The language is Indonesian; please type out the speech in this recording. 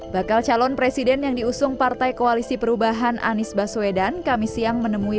bakal calon presiden yang diusung partai koalisi perubahan anies baswedan kami siang menemui